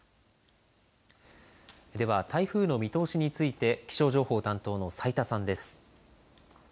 では台風の見通しについて気象情報担当の斉田さんです。